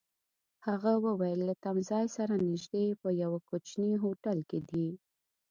هغه وویل: له تمځای سره نژدې، په یوه کوچني هوټل کي دي.